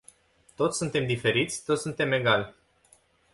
Toți suntem diferiți, toți suntem egali.